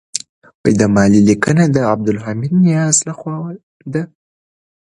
دا مالي لیکنه د عبدالحمید نیازی لخوا ده.